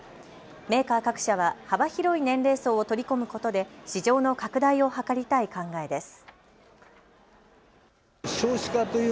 メーカー各社は幅広い年齢層を取り込むことで市場の拡大を図りたい考えです。